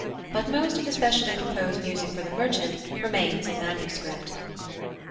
But most of the specially composed music for the Merchant remains in manuscript.